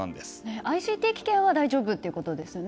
ＩＣ定期券は大丈夫ということですね。